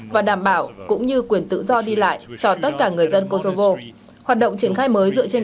và đảm bảo cũng như quyền tự do đi lại cho tất cả người dân kosovo hoạt động triển khai mới dựa trên